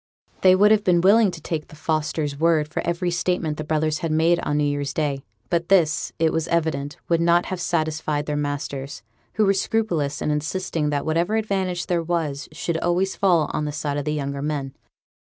They would have been willing to take the Fosters' word for every statement the brothers had made on new year's day; but this, it was evident, would not have satisfied their masters, who were scrupulous in insisting that whatever advantage there was should always fall on the side of the younger men.